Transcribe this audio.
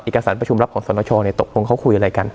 การสารประชุมรับของสนชตกลงเขาคุยอะไรกัน